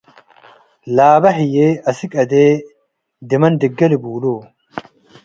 ላበ ህዬ አስክ አዜ ድመን ድጌ ልቡሎ ።